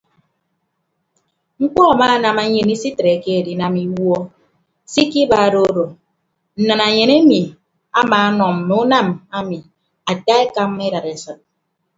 Mkpọ amaanam enyen isitreke edinam iwuo se ikiba odo odo nnanaenyen emi amaanọ mme unam emi ata ekamba idadesịd.